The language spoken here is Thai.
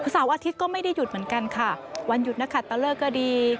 เสาร์อาทิตย์ก็ไม่ได้หยุดเหมือนกันค่ะวันหยุดนะคะตะเลิกก็ดี